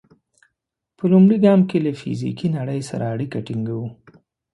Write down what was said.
په لومړي ګام کې له فزیکي نړۍ سره اړیکه ټینګوو.